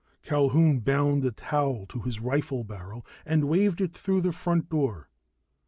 Culquhoun bound a towel to his rifle barrel and waved it through the front door.